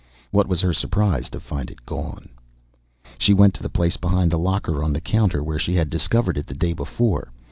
What was her surprise to find it gone! She went to the place behind the locker on the counter, where she had discovered it the day before.